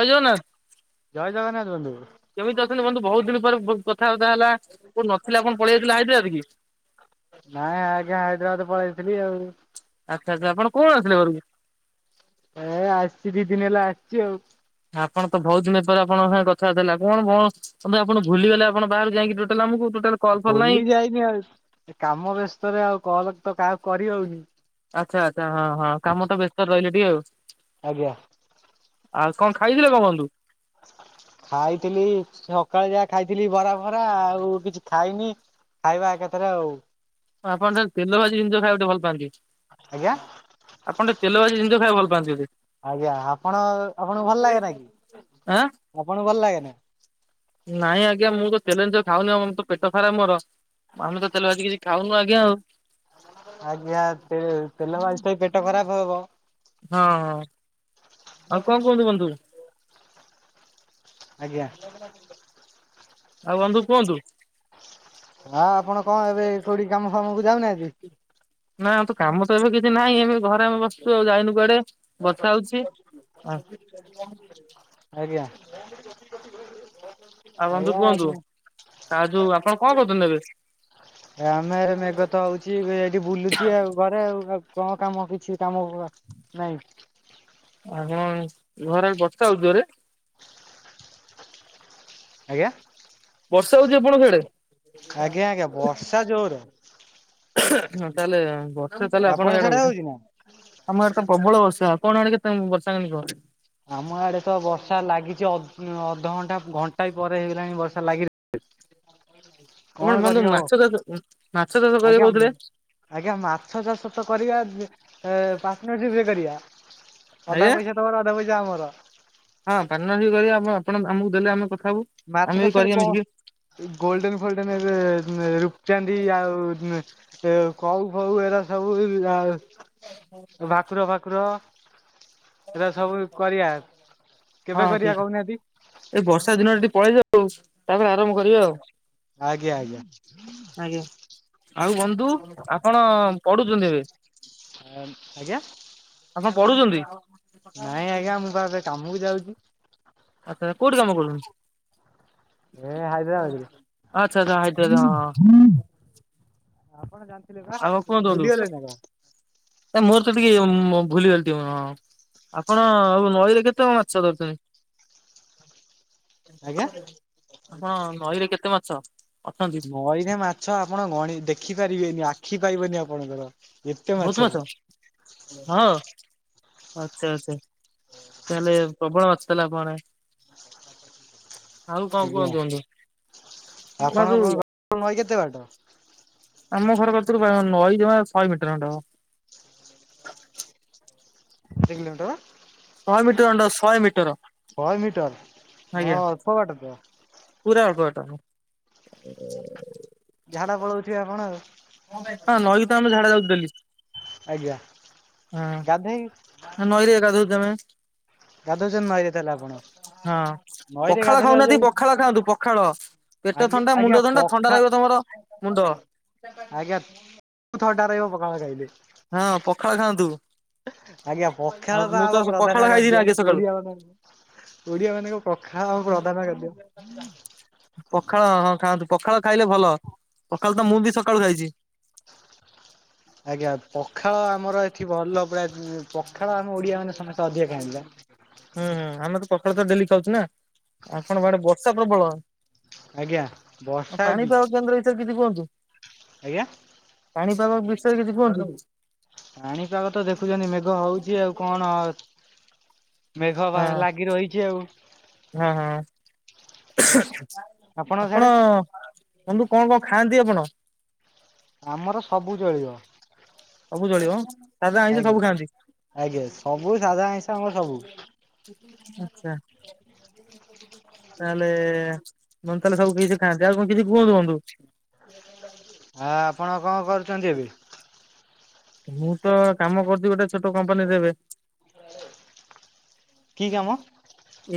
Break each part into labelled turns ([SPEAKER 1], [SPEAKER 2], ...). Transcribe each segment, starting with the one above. [SPEAKER 1] ଜୟ ଜଗନ୍ନାଥ
[SPEAKER 2] ଜୟ ଜଗନ୍ନାଥ ବନ୍ଧୁ।
[SPEAKER 1] କେମିତି ଅଛନ୍ତି ବନ୍ଧୁ? ବହୁତ ଦିନ ପରେ କଥାବାର୍ତା ହେଲା କୋଉ ନଥିଲା ଆପଣ ପଳେଇ ଯାଇଥିଲ ହାଇଦ୍ରାବାଦ କି?
[SPEAKER 2] ନାଇଁ ଆଜ୍ଞା ହାଇଦ୍ରାବାଦ ପଳେଇଥିଲି ଆଉ।
[SPEAKER 1] ଆଚ୍ଛା ଆଚ୍ଛା ଆପଣ କଣ ଆସିଲ ଘରକୁ?
[SPEAKER 2] ଏ ଆସିଛି ଦି ଦିନ ହେଲା ଆସିଛି ଆଉ।
[SPEAKER 1] ଆପଣ ତ ବହୁତ ଦିନ ପରେ ଆପଣଙ୍କ ସାଙ୍ଗେ କଥାବାର୍ତା ହେଲା କଣ କଣ? ତମ ଆପଣ ଭୁଲିଗଲେ ଆପଣ ବାହାରୁ ଯାଇକି ଟୋଟାଲେ ଆମକୁ ଟୋଟାଲ। କଲ୍ ଫଲ୍ ନାହିଁ।
[SPEAKER 2] ଭୁଲି ଯାଇନି ଆଉ କାମ ବ୍ୟସ୍ତରେ ଆଉ କଲ ତ କାହାକୁ କରି ହଉନି।
[SPEAKER 1] ଆଚ୍ଛା ଆଚ୍ଛା ହଁ ହଁ କାମଟା ବ୍ୟସ୍ତ ରହିଲେ ଟିକେ ଆଉ।
[SPEAKER 2] ଆଜ୍ଞା।
[SPEAKER 1] ଆଉ କଣ ଖାଇଥିଲେ କଣ ବନ୍ଧୁ?
[SPEAKER 2] ଖାଇଥିଲି ସକାଳେ ଯାହା ଖାଇଥିଲି ବରା ଫରା ଆଉ କିଛି ଖାଇନି। ଖାଇବା ଏକାଥରେ ଆଉ।
[SPEAKER 1] ଆପଣ ସେ ତେଲ ଭାଜି ଜିନିଷ ଖାଇବାକୁ ଟିକେ ଭଲ ପାଆନ୍ତି।
[SPEAKER 2] ଆଜ୍ଞା।
[SPEAKER 1] ଆପଣ ଟେ ତେଲ ଭାଜି ଜିନିଷ ଖାଇବାକୁ ଭଲ ପାଆନ୍ତିି ବୋଧେ।
[SPEAKER 2] ଆଜ୍ଞା ଆପଣ ଆପଣଙ୍କୁ ଭଲ ଲାଗେ ନା କି?
[SPEAKER 1] ଆଁ।
[SPEAKER 2] ଆପଣଙ୍କୁ ଭଲ ଲାଗେ ନା?
[SPEAKER 1] ନାଇଁ ଆଜ୍ଞା ମୁଁ ତ ତେଲ ଜିନିିଷ ଖାଉନି। ଆମର ତ ପେଟ ଖରାପ ମୋର। ଆମେ ତେଲ ଭାଜି କିଛି ଖାଉନୁ ଆଜ୍ଞା ଆଉ।
[SPEAKER 2] ଆଜ୍ଞା ସେ ତେଲ ମାଜି ପାଇଁ ପେଟ ଖରାପ ହବ।
[SPEAKER 1] ହଁ ହଁ ଆଉ କଣ କୁହନ୍ତୁ ବନ୍ଧୁ।
[SPEAKER 2] ଆଜ୍ଞା।
[SPEAKER 1] ଆଉ ବନ୍ଧୁ କୁହନ୍ତୁ।
[SPEAKER 2] ହଁ ଆପଣ କଣ ଏବେ କୋଉଠି କାମ ଫାମକୁ ଯାଉନାହାଁନ୍ତି?
[SPEAKER 1] ନା ତୁ କାମ ତ ଏବେ କିଛି ନାହିଁ ଏବେ ଘରେ ଆମେ ବସିଛୁ ଆଉ ଯାଇନୁ କୁଆଡେ। ବଥା ହଉଛି। ହଁ।
[SPEAKER 2] ଆଜ୍ଞା।
[SPEAKER 1] ଆଉ ବନ୍ଧୁ କୁହନ୍ତୁ।
[SPEAKER 2] ଆଜ୍ଞା
[SPEAKER 1] କା ଯଉ ଆପଣ କଣ କଦନ ନେବେ?
[SPEAKER 2] ଆମେ ମେଘ ତ ହଉଛି ଏଇଠି ବୁଲୁଚି ଆଉ। ରେ ଆଉ କଣ କାମ କିଛି କାମ ନାଇଁ।
[SPEAKER 1] ଆପଣ ଘରେ ବର୍ଷା ହଉଛି ଜୋରେ।
[SPEAKER 2] ଆଜ୍ଞା।
[SPEAKER 1] ବର୍ଷା ହଉଛି ଆପଣଙ୍କ ସିଆଡେ?
[SPEAKER 2] ଆଜ୍ଞା ଆଜ୍ଞା ବର୍ଷା ଜୋରେ।
[SPEAKER 1] ହଁ ତାହେଲେ ବର୍ଷେ ତାହେଲେ
[SPEAKER 2] ଆପଣ
[SPEAKER 1] ଆପଣଙ୍କ ଇଆଡେ
[SPEAKER 2] ସିଆଡେ
[SPEAKER 1] ହଉଛ।
[SPEAKER 2] ହଉଛି ନା?
[SPEAKER 1] ଆମ ଆଡେ ତ ପ୍ରବଳ ବର୍ଷା। ଆପଣଙ୍କ ଆଡେ କେତେ ବର୍ଷା କିଣ କୁହନ୍ତୁ?
[SPEAKER 2] ଆମ ଆଡେ ତ ବର୍ଷା ଲାଗିଛି ଅ ଅଧଘଣ୍ଟା ଘଣ୍ଟା ବି ପରେ ହେଇଗଲାଣି ବର୍ଷା ଲାଗି କଣ
[SPEAKER 1] ଆପଣ ବନ୍ଧୁ
[SPEAKER 2] କରିହବ
[SPEAKER 1] ମାଛ ଚାଷ ମାଛ ଚାଷ କରିବେ
[SPEAKER 2] ଆଜ୍ଞା
[SPEAKER 1] କହୁଥିଲେ।
[SPEAKER 2] ଆଜ୍ଞା ମାଛ ଚାଷ ତ କରିବା ପାର୍ଟନରସିପ ରେ କରିବା। ଅଧା
[SPEAKER 1] ଆଜ୍ଞା
[SPEAKER 2] ପଇସା ତମର ଅଧା ପଇସା ଆମର।
[SPEAKER 1] ହଁ ପାନ କରିବା ଆପଣ ଆମକୁ ଦେଲେ ଆମେ କଥା ହବୁ। ଆମେ
[SPEAKER 2] ମାଛ
[SPEAKER 1] ବି
[SPEAKER 2] ଚାଷରେ
[SPEAKER 1] କରିବା
[SPEAKER 2] କଣ
[SPEAKER 1] ମିଶିକି
[SPEAKER 2] ଗୋଲଡେନ ଫୋଲଡେନ ଏବେ ରୁପଚାନ୍ଦୀ ଆଉ ଏ କଉ ଫଉ ଏରା ସବୁ ଜା ଭାକୁର ଫାକୁର ଏରା ସବୁ କରିବା। କେବେ
[SPEAKER 1] ହଁ
[SPEAKER 2] କରିବା
[SPEAKER 1] ଠିକ
[SPEAKER 2] କହୁନାହାନ୍ତି?
[SPEAKER 1] ଏଇ ବର୍ଷା ଦିନଟା ଟିକେ ପଳେଇଯାଉ ତାପରେ ଆରମ୍ଭ କରିବା ଆଉ।
[SPEAKER 2] ଆଜ୍ଞା ଆଜ୍ଞା।
[SPEAKER 1] ଆଜ୍ଞା ଆଉ ବନ୍ଧୁ ଆପଣ ପଢୁଛନ୍ତି ଏବେ?
[SPEAKER 2] ଆ ମ ଆଜ୍ଞା
[SPEAKER 1] ଆପଣ ପଢୁଛନ୍ତି
[SPEAKER 2] ନାଇଁ ଆଜ୍ଞା ମୁଁ ପା ଏବେ କାମକୁ ଯାଉଛି।
[SPEAKER 1] ଆଚ୍ଛା କୋଉଠି କାମ କରୁଛନ୍ତି?
[SPEAKER 2] ଏ ହାଇଦ୍ରାବାଦରେ।
[SPEAKER 1] ଆଚ୍ଛା ଆଚ୍ଛା ହାଇତାଦ ହଁ ହଁ।
[SPEAKER 2] ଆପଣ ଜାଣିଥିଲେ ବା
[SPEAKER 1] ଆଉ କୁହନ୍ତୁ କୁହନ୍ତୁ।
[SPEAKER 2] ଭୁଲିଗଲେ ନା କଣ?
[SPEAKER 1] ଏ ମୋର ତ ଟିକେ ମ ଭୁଲିଗଲି ଟିକେ ହଁ ଆପଣ ଆଉ ନଈରେ କେତେ ମା ଛ
[SPEAKER 2] ଆଜ୍ଞା
[SPEAKER 1] ଧରୁଛନ୍ତି? ହଁ ନଈରେ କେତେ ମାଛ? ଅଛନ୍ତି
[SPEAKER 2] ନଈରେ ମାଛ ଆପଣ ଗଣି ଦେଖିପାରିବେନି ଆଖି ପାଇବନି ଆପଣଙ୍କର।
[SPEAKER 1] ଭଉତୁ ମାଛ ହଁ। ଆଚ୍ଛା ଆଚ୍ଛା ତାହେଲେ ପ୍ରବଳ ମାଛ ତାହେଲେ ଆପଣଙ୍କ ଆଡେ। ଆଉ କଣ
[SPEAKER 2] ଆଜ୍ଞା
[SPEAKER 1] କୁହନ୍ତୁ ବନ୍ଦୁ?
[SPEAKER 2] ଆପଣଙ୍କ ନଈ କେତେ ବାଟ?
[SPEAKER 1] ଆମ ଘର କତିରୁ ବା ନଈ ଜମା ଶହେ ମିଟର ଖଣ୍ଡେ ହେବ।
[SPEAKER 2] କେତେ କିଲୋମିଟର?
[SPEAKER 1] ଶଏ ମିଟର ଖଣ୍ଡେ ଶଏ ମିଟର
[SPEAKER 2] ଶହେ ମିଟର। ହଁ
[SPEAKER 1] ଆଜ୍ଞା।
[SPEAKER 2] ଅଳ୍ପ ବାଟ ତ
[SPEAKER 1] ପୂରା ଅଳ୍ପ ବାଟ ଏ।
[SPEAKER 2] ଝାଡା ପଳଉଥିବେ ଆପଣ ଆଉ?
[SPEAKER 1] ହଁ ନଈକୁ ତ ଆମେ ଝାଡ଼ା ଯାଉଛୁ ଡେଲି।
[SPEAKER 2] ଆଜ୍ଞା। ଗାଧେଇ
[SPEAKER 1] ହଁ ନଈ ରେ ଗାଧଉଛୁ ଆମେ।
[SPEAKER 2] ଗାଧଉଛନ୍ତି ନଈରେ ତାହେଲେ ଆପଣ?
[SPEAKER 1] ହଁ
[SPEAKER 2] ନଈରେ
[SPEAKER 1] ପଖାଳ
[SPEAKER 2] ଗାଧେଇଲା
[SPEAKER 1] ଖାଉ ନାହାଁନ୍ତି
[SPEAKER 2] ଯୋଉ
[SPEAKER 1] ପଖାଳ ଖାଆନ୍ତୁ ପଖାଳ। ପେଟ
[SPEAKER 2] ଆଜ୍ଞା
[SPEAKER 1] ଥଣ୍ଡା
[SPEAKER 2] ଆଜ୍ଞା
[SPEAKER 1] ମୁଣ୍ଡ ଥଣ୍ଡା
[SPEAKER 2] ପଖା
[SPEAKER 1] ଥଣ୍ଡା ରହିବ ତମର ମୁଣ୍ଡ।
[SPEAKER 2] ଆଜ୍ଞା ଥଣ୍ଡା ରହିବ ପଖାଳ ଖାଇଲେ।
[SPEAKER 1] ହଁ ପଖାଳ ଖାଆନ୍ତୁ।
[SPEAKER 2] ଆଜ୍ଞା
[SPEAKER 1] ଆଉ
[SPEAKER 2] ପଖାଳ ତ
[SPEAKER 1] ମୁଁ
[SPEAKER 2] ଆମ
[SPEAKER 1] ପଖାଳ
[SPEAKER 2] ପ୍ରଧାନ
[SPEAKER 1] ଖାଇଛି
[SPEAKER 2] ଖାଦ୍ୟ।
[SPEAKER 1] ଆଗେ ସକାଳୁ
[SPEAKER 2] ଓଡିଆ ମାନଙ୍କୁ ଓଡିଆ ମାନଙ୍କ ପଖାଳ ଆମ ପ୍ରଧାନ ଖାଦ୍ୟ।
[SPEAKER 1] ପଖାଳ ହଁ ଖାଆନ୍ତୁ ପଖାଳ ଖାଇଲେ ଭଲ ପଖାଳ ତ ମୁଁ ବି ସକାଳୁ ଖାଇଛି।
[SPEAKER 2] ଆଜ୍ଞା ପଖାଳ ଆମର ଏଠି ଭଲ ପୁରା ଉଁ ପଖାଳ ଆମ ଓଡିଆ ମାନେ ସମସ୍ତେ ଅଧିକା ଖାଆନ୍ତି ବା।
[SPEAKER 1] ହୁଁ ହୁ ଆମେ ତ ପଖଳ ତ ଡେଲି ଖାଉଛୁ ନା? ଆପଣ ଆଡେ ବର୍ଷା ପ୍ରବଳ
[SPEAKER 2] ଆଜ୍ଞା
[SPEAKER 1] ଆଉ
[SPEAKER 2] ବର୍ଷା ବି
[SPEAKER 1] ପାଣିପାଗ କେନ୍ଦ୍ର ବିଷୟରେ କିଛି କୁହନ୍ତୁ।
[SPEAKER 2] ଆଜ୍ଞା?
[SPEAKER 1] ପାଣିପାଗ ବିଷୟରେ କିଛି କୁହନ୍ତୁ ହଁ।
[SPEAKER 2] ପାଣିପାଗ ତ ଦେଖୁଛନ୍ତି ମେଘ ହଉଛି ଆଉ କଣ ଏତ ମେଘ ବା ଲାଗି ରହିଛି ଆଉ।
[SPEAKER 1] ହଁ ହଁ
[SPEAKER 2] ଆପଣଙ୍କ ସିଆଡେ
[SPEAKER 1] ଆପଣ ବନ୍ଧୁ କଣ କଣ ଖାଆନ୍ତି ଆପଣ?
[SPEAKER 2] ଆମର ସବୁ ଚଳିବ।
[SPEAKER 1] ସବୁ ଚଳିବ ସାଧା ଆଇଁଷ
[SPEAKER 2] ଆଜ୍ଞା
[SPEAKER 1] ସବୁ ଖାଆନ୍ତି
[SPEAKER 2] ଆଜ୍ଞା ସବୁ ସାଧା ଆଇଁସ ଆମର ସବୁ।
[SPEAKER 1] ଆଚ୍ଛା ତାହେଲେ ବନ୍ଧୁ ତାହାଲେ ସବୁ କିଛି ଖାଆନ୍ତି ଆଉ କଣ କିଛି କୁହନ୍ତୁ ବନ୍ଧୁ?
[SPEAKER 2] ଆ ଆପଣ କଣ କରୁଛନ୍ତି ଏବେ?
[SPEAKER 1] ମୁଁ ତ କାମ କରୁଛି ଗୋଟେ ଛୋଟ କମ୍ପାନୀରେ ଏବେ।
[SPEAKER 2] କୁଆଡେ?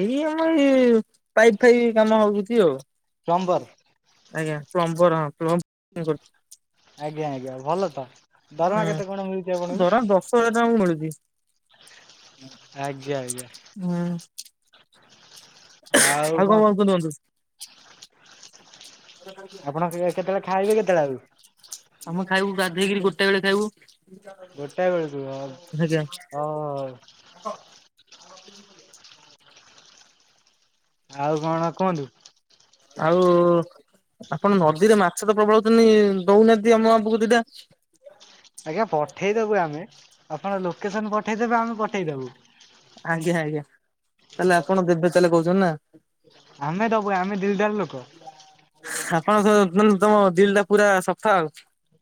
[SPEAKER 1] ଏଇ ଆମରି ପାଇପ୍ ଫାଇପ କାମ ହଉଛି ଆଉ।
[SPEAKER 2] ପ୍ଲମ୍ବର୍?
[SPEAKER 1] ଆଜ୍ଞା ପ୍ଲମ୍ବର୍ ହଁ ପ୍ଲମ୍ବ କରୁଛି
[SPEAKER 2] [inaudible] ଆଜ୍ଞା ଆଜ୍ଞା ଭଲ ତ ଦରମା
[SPEAKER 1] ହୁଁ
[SPEAKER 2] କେତେ କଣ ମିଳୁଛି
[SPEAKER 1] ଧର ଦଶ ହଜାର
[SPEAKER 2] ଆପଣଙ୍କୁ?
[SPEAKER 1] ଟଙ୍କା ଆମକୁ ମିଳୁଛି
[SPEAKER 2] ଆଜ୍ଞା, ଆଜ୍ଞା।
[SPEAKER 1] ହଁ। ଆଉ କଣ କୁହନ୍ତୁ ବନ୍ଧୁ?
[SPEAKER 2] ଆପଣ କେତେବେଳେ ଖାଇବେ କେତେବେଳେ ଆଉ
[SPEAKER 1] ଆମେ ଖାଇବୁ ଗାଧୋଇ କିରି ଗୋଟେ ବେଳେ ଖାଇବୁ
[SPEAKER 2] ଗୋଟାଏ ବେଳକୁ ଓ
[SPEAKER 1] ଆଜ୍ଞା।
[SPEAKER 2] ଆଉ କଣ କୁହନ୍ତୁ?
[SPEAKER 1] ଆଉ ଆପଣ ନଦୀରେ ମାଛ ତ ପ୍ରବଳ ହଉଛନ୍ତି ଦଉନାହାନ୍ତି ଆମ ଆମକୁ ଦିଟା।
[SPEAKER 2] ଆଜ୍ଞା ପଠେଇଦବୁ ଆମେ ଆପଣ ଲୋକେସନ୍ ପଠେଇଦେବେ ଆମେ ପଠେଇଦବୁ।
[SPEAKER 1] ଆଜ୍ଞା ଆଜ୍ଞା ତାହେଲେ ଆପଣ ଦେବେ ତାହେଲେ କହୁଛନ୍ତି ନା?
[SPEAKER 2] ଆମେ ଦବୁ ଆମେ ଦିଲଦାର୍ ଲୋକ।
[SPEAKER 1] ହଁ ସେ ମାନେ ତୋମ ଦିଲ୍ ଟା ପୁରା ସଫା ଆଉ।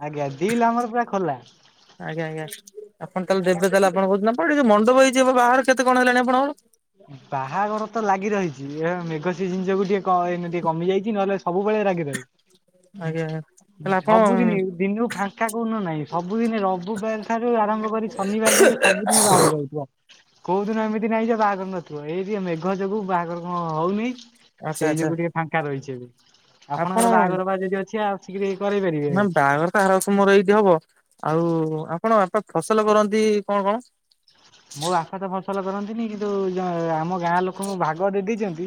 [SPEAKER 2] ଆଜ୍ଞା ଦିଲ୍ ଆମର ପୁରା ଖୋଲା।
[SPEAKER 1] ଆଜ୍ଞା ଆଜ୍ଞା ଆପଣ ତାହେଲେ ଦେବେ ତାହେଲେ ଆପଣ କହୁଛନ୍ତି, ଆପଣ ଟିକେ ମଣ୍ଡପ ହେଇଛି ଏବେ ବାହାଘର କେତେ କଣ ହେଲାଣି ଆପଣଙ୍କର?
[SPEAKER 2] ବାହାଘର ତ ଲାଗି ରହିଚି, ଏହା ମେଘ ସିଜିନ୍ ଯୋଗୁଁ ଟିକେ ଟିକେ କ- ଏମିତି କମି ଯାଇଚି ନହେଲେ ସବୁବେଳେ ଲାଗି ରହେ।
[SPEAKER 1] ଆଜ୍ଞା ଆଜ୍ଞା ତାହେଲେ
[SPEAKER 2] [inaudible]
[SPEAKER 1] ଆପଣ
[SPEAKER 2] ସବୁଦିନି ଦିନକୁ ଫାଷ୍ ଟା କୋଉନ ନାହିଁ, ସବୁଦିନେ ରବିବାର ଠାରୁ ଆରମ୍ଭ କରି ଶନିବାର ଯାଏ ସବୁଦିନ ବାହାଘର ହଉଥିବ। କୋଉ ଦିନ ଏମିତି ନାଇଁ ଯେ ବାହାଘର ନ ଥିବ ଏଇଠି ଏଇ ମେଘ ଯୋଗୁ ବାହାଘର କଣ ହଉନି।
[SPEAKER 1] ଆଚ୍ଛା
[SPEAKER 2] ସେଇ
[SPEAKER 1] ଆଚ୍ଛା
[SPEAKER 2] ଯୋଗୁ ଟିକେ ଫାଙ୍କା ରହିଛି ଏବେ,
[SPEAKER 1] ଆପଣ
[SPEAKER 2] ଆପଣଙ୍କର ବାହାଘର ବା ଯଦି ଅଛି ଆସିକିରି ଏଇ କରେଇ ପାରିବେ।
[SPEAKER 1] ଆରବର୍ଷ ମୋର ଏଇଠି ହବ, ଆଉ ଆପଣ ବାପା ଫସଲ କରନ୍ତି କଣ କଣ?
[SPEAKER 2] ମୋ ବାପା ତ ଫସଲ କରନ୍ତିନି। କିନ୍ତୁ ୟା- ଆମ ଗାଁ ଲୋକଙ୍କୁ ଭାଗ ଦେଇ ଦେଇଛନ୍ତି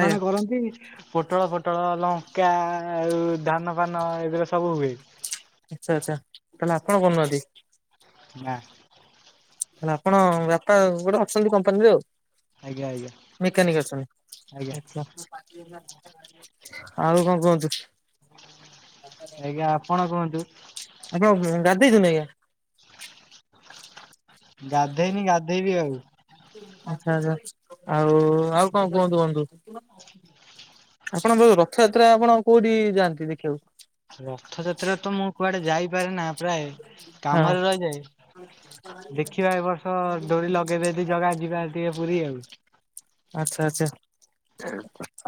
[SPEAKER 1] ଆଜ୍ଞା
[SPEAKER 2] କରନ୍ତି। ପୋଟଳ, ଫୋଟଳ, ଲଙ୍କା ଆଉ ଧାନ ଫାନ ଏଗୁରା ସବୁ ହୁଏ।
[SPEAKER 1] ଆଚ୍ଛା, ଆଚ୍ଛା ତାହେଲେ ଆପଣ କରୁନାହାଁନ୍ତି।
[SPEAKER 2] ନା।
[SPEAKER 1] ତାହେଲେ ଆପଣ ବାପା ଗୋଟେ ଅଛନ୍ତି କମ୍ପାନୀରେ।
[SPEAKER 2] ଆଜ୍ଞା,
[SPEAKER 1] ମେକାନିକ
[SPEAKER 2] ଆଜ୍ଞା।
[SPEAKER 1] ଅଛନ୍ତି।
[SPEAKER 2] ଆଜ୍ଞା
[SPEAKER 1] ଆଚ୍ଛା, ଆଉ କଣ କୁହନ୍ତୁ?
[SPEAKER 2] ଆଜ୍ଞା ଆପଣ କୁହନ୍ତୁ।
[SPEAKER 1] ଆପଣ ଗାଧେଇଛନ୍ତି ଆଜ୍ଞା?
[SPEAKER 2] [inaudible] ଗାଧେଇନି ଗାଧେଇବି ଆଉ
[SPEAKER 1] ଆଚ୍ଛା ଆଚ୍ଛା ଆଉ, ଆଉ କଣ କୁହନ୍ତୁ ବନ୍ଧୁ? ଆପଣଙ୍କର ରଥଯାତ୍ରା ଆପଣ କୋଉଠି ଯାଆନ୍ତି ଦେଖିବାକୁ?
[SPEAKER 2] ରଥଯାତ୍ରା ତ ମୁଁ କୁଆଡେ ଯାଇପାରେ ନା ପ୍ରାୟେ
[SPEAKER 1] ହଁ
[SPEAKER 2] କାମରେ ରହିଯାଏ। ଦେଖିବା ଏ ବର୍ଷ ଡୋରି ଲଗେଇବେ, ଯଦି ଜଗା ଯିବା ଟିକେ ପୁରୀ।
[SPEAKER 1] ଆଚ୍ଛା, ଆଚ୍ଛା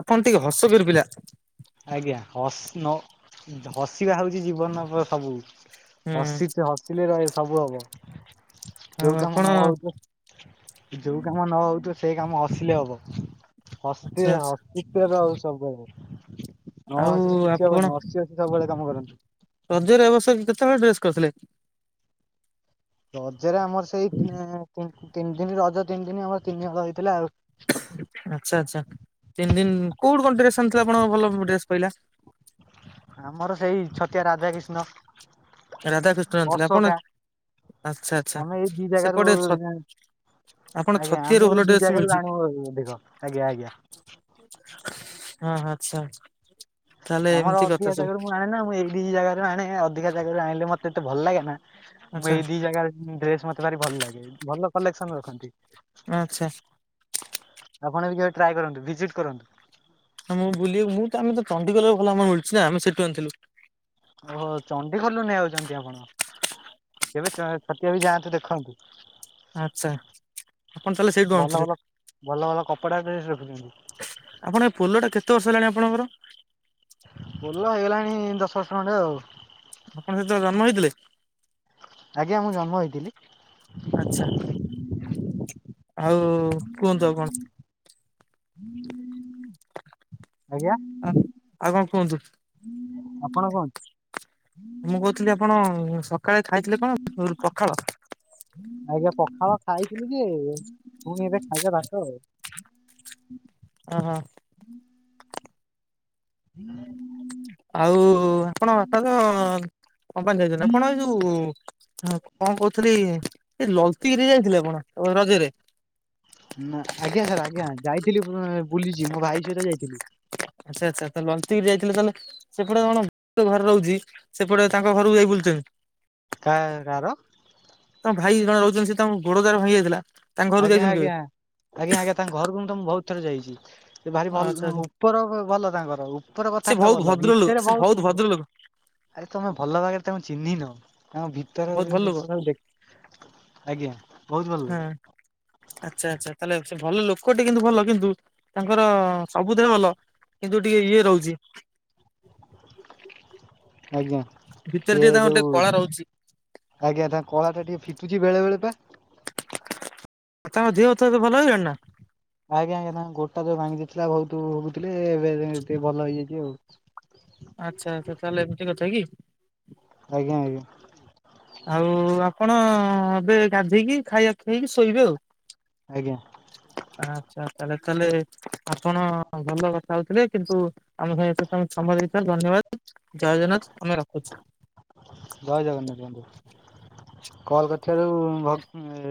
[SPEAKER 1] ଆପଣ ଟିକେ ହସକୁର ପିଲା।
[SPEAKER 2] ଆଜ୍ଞା ହସ୍ ନ ହସିବା ହଉଛି ଜୀବନର ସବୁ
[SPEAKER 1] ହୁଁ
[SPEAKER 2] ହସିଚ ହସିଲେ ଭାଇ ସବୁ ହବ,
[SPEAKER 1] ଆଉ
[SPEAKER 2] ଯୋଉ କାମ
[SPEAKER 1] ଆପଣ
[SPEAKER 2] ନ ହଉଥିବ ଯୋଉ କାମ ନ ହଉଥିବ ସେ କାମ ହସିଲେ ହବ।
[SPEAKER 1] ଆଚ୍ଛା
[SPEAKER 2] ହସିଲେ
[SPEAKER 1] ଆଚ୍ଛା
[SPEAKER 2] ହସୁଥିବେ ତ ଆଉ ସବୁ ହବ। ନ
[SPEAKER 1] ଆଉ
[SPEAKER 2] ହସିଲେ କିଛି
[SPEAKER 1] ଆପଣ
[SPEAKER 2] ହବନି, ହସି ହସି ସବୁବେଳେ କାମ କରନ୍ତୁ।
[SPEAKER 1] ରଜରେ ଏବର୍ଷ କେତେ ହଳ ଡ୍ରେସ୍ କରିଥିଲେ?
[SPEAKER 2] ରଜରେ ଆମର ସେଇ, ତିନି ଦିନ ରଜ, ତିନି ଦିନ ଆମର ତିନି ହଳ ହେଇଥିଲା ଆଉ।
[SPEAKER 1] ଆଚ୍ଛା, ଆଚ୍ଛା ତିନି ଦିନ କୋଉଠି କଣ ଡ୍ରେସ ଆଣିଥିଲେ ଆପଣଙ୍କ ଭଲ ଡ୍ରେସ ପଇଲା।
[SPEAKER 2] ଆମର ସେଇ ଛତିଆ ରାଧା କିଷ୍ଣ।
[SPEAKER 1] ରାଧାକୃଷ୍ଣ ଆଣିଥିଲେ ଆପଣ କି ଆଚ୍ଛା, ଆଚ୍ଛା
[SPEAKER 2] ଆମେ ଏଇ ଦି ଜାଗାରୁ
[SPEAKER 1] ସେପଟେ ଛ ଆପଣ
[SPEAKER 2] ଆଜ୍ଞା
[SPEAKER 1] ଛତିଆରୁ
[SPEAKER 2] ଆମେ
[SPEAKER 1] ଭଲ
[SPEAKER 2] ଏଇ ଦି
[SPEAKER 1] ଡ୍ରେସ
[SPEAKER 2] ଜାଗାରୁ
[SPEAKER 1] ମିଳୁଛି
[SPEAKER 2] ଆଣିବୁ ଅଧିକ। ଆଜ୍ଞା, ଆଜ୍ଞା।
[SPEAKER 1] ହଁ ଆଚ୍ଛା, ଆଚ୍ଛା।
[SPEAKER 2] ଆମର ଅଧିକା ଜାଗାରୁ ମୁଁ ଆଣେନା ମୁଁ ଏଇ ଦି ଜାଗାରୁ ଆଣେ, ଅଧିକା ଜାଗାରୁ ଆଣିଲେ ମତେ ଏତେ ଭଲ ଲାଗେ ନା, ମୁଁ
[SPEAKER 1] ଆଚ୍ଛା
[SPEAKER 2] ଏଇ ଦି ଜାଗାରେ ଡ୍ରେସ ମତେ ଭାରି ଭଲ ଲାଗେ, ଭଲ କଲେକ୍ସନ ରଖନ୍ତି।
[SPEAKER 1] ଆଚ୍ଛା
[SPEAKER 2] ଆପଣ ବି କେବେ ଟ୍ରାଏ କରନ୍ତୁ, ଭିଜିଟ୍ କରନ୍ତୁ।
[SPEAKER 1] ହଁ ମୁଁ ବୁଲି ମୁଁ ତ ଆମେ ଚଣ୍ଡିଖୋଲ ଭଲ ମିଳୁଚିନା ଆମେ ସେଠୁ ଆଣିଥିଲୁ।
[SPEAKER 2] ଓହୋ ଚଣ୍ଡି ଖୋଲଲରୁ ନେଇଯାଉଛନ୍ତି ଆପଣ। କେବେ ଟ୍ରାଏ, ଛତିଆକୁ ଯାଆନ୍ତୁ ଦେଖନ୍ତୁ।
[SPEAKER 1] ଆଚ୍ଛା ଆପଣ ତାହେଲେ ସେଇଠୁ
[SPEAKER 2] ଭଲ
[SPEAKER 1] ଆଣୁଥିବେ?
[SPEAKER 2] ଭଲ ଭଲ ଭଲ କପଡ଼ା ଡ୍ରେସ ରଖୁଛନ୍ତି।
[SPEAKER 1] ଆପଣ ଏ ପୋଲ ଟା କେତେ ବର୍ଷ ହେଲାଣି ଆପଣଙ୍କର?
[SPEAKER 2] ପୋଲ ହେଇଗଲାଣି ଦଶ ବର୍ଷ ଖଣ୍ଡେ ଆଉ।
[SPEAKER 1] ଆପଣ ସେତେବେଳେ ଜନ୍ମ ହେଇଥିଲେ?
[SPEAKER 2] ଆଜ୍ଞା ମୁଁ ଜନ୍ମ ହେଇଥିଲି।
[SPEAKER 1] ଆଚଛା ଆଉ କୁହନ୍ତୁ ଆପଣ।
[SPEAKER 2] ଆଜ୍ଞା।
[SPEAKER 1] ଆ ଆଉ କଣ କୁହନ୍ତୁ?
[SPEAKER 2] ଆପଣ କଣ
[SPEAKER 1] ମୁଁ କହୁଥିଲି ଆପଣ ସକାଳେ ଖାଇଥିଲେ କଣ, ପଖାଳ?
[SPEAKER 2] ଆଜ୍ଞା ପଖାଳ ଖାଇଥିଲି ଯେ, ପୁଣି ଏବେ ଖାଇବା ଭାତ ଆଉ।
[SPEAKER 1] ଓହୋ।
[SPEAKER 2] ହଁ।
[SPEAKER 1] ଆଉ ଆପଣଙ୍କ ବାପା ତ କମ୍ପାନୀ ଯାଇଛନ୍ତି, ଆପଣ ଏଇ ଯୋଉ ହଁ କଣ କହୁଥିଲି, ସେ ଲଲତିଗିରି ଯାଇଥିଲେ ଆପଣ ରଜରେ?
[SPEAKER 2] ନା ଆଜ୍ଞା ସାର୍ ଆଜ୍ଞା ଯାଇଥିଲି ବୁଲିଛି, ମୋ ଭାଇ ସହିତ ଯାଇଥିଲି।
[SPEAKER 1] ଆଚଛା ଆଚ୍ଛା ତା ଲଲଚି ଯାଇଥିଲେ ତାହେଲେ ସେପଟେ କଣ ଘରେ ରହୁଛି ସେପଟେ ତାଙ୍କ ଘରକୁ ଯାଇ ବୁଲୁଥୁବେ।
[SPEAKER 2] କା କାହାର?
[SPEAKER 1] ତମ ଭାଇ ଜଣେ ରହୁଛନ୍ତି, ସେ ତମ ବୋଡ ଦାର ଭାଇ ଯାଇଥିଲା ତାଙ୍କ ଘରକୁ
[SPEAKER 2] ଆଜ୍ଞା
[SPEAKER 1] ଯାଇଛନ୍ତି
[SPEAKER 2] ଆଜ୍ଞା
[SPEAKER 1] କେବେ?
[SPEAKER 2] ଆଜ୍ଞା ଆଜ୍ଞା ତାଙ୍କ ଘରକୁ କିନ୍ତ ମୁଁ ବହୁତ ଥରେ ଯାଇଛି। ସେ ଭାରି
[SPEAKER 1] ଆଚ୍ଛା
[SPEAKER 2] ଭଲ
[SPEAKER 1] ଆଚ୍ଛା
[SPEAKER 2] ଉପର ଭଲ ତାଙ୍କର। ଉପର
[SPEAKER 1] ସେ
[SPEAKER 2] କଥା ତ
[SPEAKER 1] ବହୁତ
[SPEAKER 2] ଭଲ
[SPEAKER 1] ଭଦ୍ର ଲୋକ
[SPEAKER 2] ଭିତରେ
[SPEAKER 1] ସେ
[SPEAKER 2] ବହୁତ
[SPEAKER 1] ଭଦ୍ର ଲୋକ
[SPEAKER 2] ଆରେ ତମେ ଭଲ ଭାବରେ ତାଙ୍କୁ ଚିହ୍ନିନ ତାଙ୍କ ଭି
[SPEAKER 1] ବହୁତ ଭଲ ଲୋକ
[SPEAKER 2] ଜିନଷ ଟାକୁ ଦେଖି, ଆଜ୍ଞା ବହୁତ ଭଲ।
[SPEAKER 1] ହଁ। ଆଚ୍ଛା ଆଚ୍ଛା, ତାହେଲେ ସେ ଭଲ ଲୋକଟେ କିନ୍ତୁ ଭଲ କିନ୍ତୁ ତାଙ୍କର ସବୁଥିରେ ଭଲ। କିନ୍ତୁ ଟିକେ ଇଏ ରହୁଛି।
[SPEAKER 2] ଆଜ୍ଞା
[SPEAKER 1] ଭିତରେ
[SPEAKER 2] କିଏ
[SPEAKER 1] ଟିକେ ତାଙ୍କର
[SPEAKER 2] ଯୋଉ
[SPEAKER 1] ଟିକେ କଳା ରହୁଛି।
[SPEAKER 2] ଆଜ୍ଞା ତାଙ୍କ କଳା ଟିକେ ଫିଟୁଛି ବେଳେ ବେଳେ ପା।
[SPEAKER 1] ଆଉ ତାଙ୍କ ଦେହ ତ ଏବେ ଭଲ ହେଇଗଲାଣି ନା?
[SPEAKER 2] ଆଜ୍ଞା ଆଜ୍ଞା ନାଗୋଡ଼ ଟା ଯୋଉ ଭାଙ୍ଗିଥିଲା, ବହୁତ ଭୋଗୁଥିଲେ ଏବେ ଟିକେ ଭଲ ହେଇଯାଇଛି ଆଉ।
[SPEAKER 1] ଆଚ୍ଛା ତାହେଲେ ଏମିତି କଥା କି?
[SPEAKER 2] ଆଜ୍ଞା ଆଜ୍ଞା।
[SPEAKER 1] ଆଉ ଆପଣ ଏବେ ଗାଧେଇକି ଖାଇବା ଖାଇକି ଶୋଇବେ ଆଉ।
[SPEAKER 2] ଆଜ୍ଞା।
[SPEAKER 1] ଆଛା ତାହେଲେ ତାହଲେ ଆପଣ ଭଲ କଥା ହଉଥିଲେ କିନ୍ତୁ ଆମ ସାଙ୍ଗେ ଏଥିପାଇଁ ସମୟ ଦେଇଚ ଧନ୍ୟବାଦ ଜଏ ଜଗନ୍ନାଥ ଆମେ ରଖୁଛୁ।
[SPEAKER 2] ଜଏ ଜଗନ୍ନାଥ ବନ୍ଧୁ କଲ
[SPEAKER 1] ରଖୁଛୁ।
[SPEAKER 2] କରିଥିବାରୁ ଧନ୍ୟବାଦ।